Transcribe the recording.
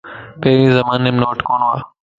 پھرين زمانيم نوٽ ڪون ھوا